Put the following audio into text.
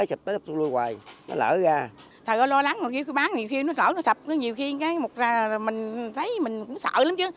thật là lo lắng bán nhiều khi nó lở sập nhiều khi mình thấy mình cũng sợ lắm chứ